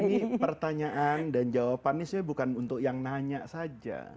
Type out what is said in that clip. ini pertanyaan dan jawabannya sebenarnya bukan untuk yang nanya saja